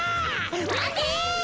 まて！